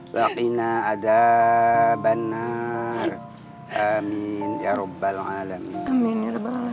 wafil nah ada benar amin ya robbal alamin amin ya robbal alamin